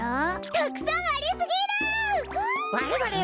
たくさんありすぎるわあ！